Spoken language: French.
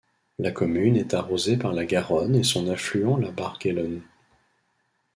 La commune est arrosée par la Garonne et son affluent la Barguelonne.